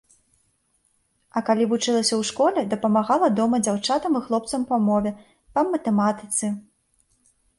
А калі вучылася ў школе, дапамагала дома дзяўчатам і хлопцам па мове, па матэматыцы.